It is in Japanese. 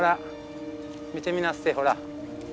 見てみなっせほら。